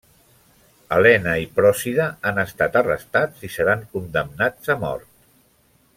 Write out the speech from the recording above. Elena i Procida han estat arrestats i seran condemnats a mort.